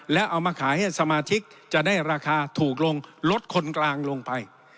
แล้วเอามาขายให้สมาชิกจะได้ราคาถูกลงลดคนกลางลงไป